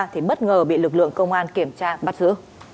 thì bất ngờ bị lực lượng công an kiểm tra bắt giữ